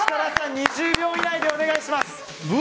２０秒以内でお願いします。